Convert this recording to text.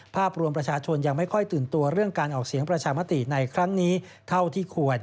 ภาพรวมประชาชนยังไม่ค่อยตื่นตัวเรื่องการออกเสียงประชามติในครั้งนี้เท่าที่ควร